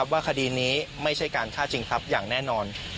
ว่าคดีนี้ไม่ใช่การฆ่าจริงครับอย่างแน่นอน